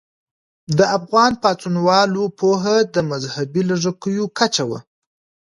د افغان پاڅونوالو پوهه د مذهبي لږکیو کچه وه.